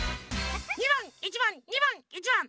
２ばん１ばん２ばん１ばん。